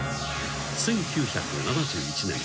［１９７１年。